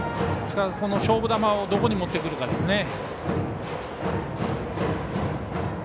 勝負球をどこに持ってくるかです。